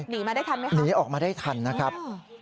หนีมาได้ทันไหมคะหนีออกมาได้ทันนะครับ